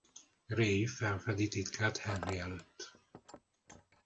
Ray felfedi titkát henry előtt.